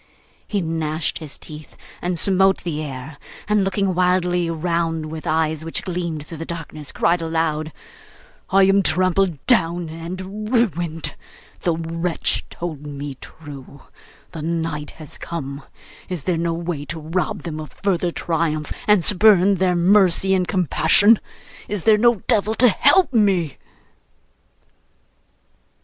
He gnashed his teeth and smote the air, and looking wildly round, with eyes which gleamed through the darkness, cried aloud: 'I am trampled down and ruined. The wretch told me true. The night has come! Is there no way to rob them of further triumph, and spurn their mercy and compassion? Is there no devil to help me?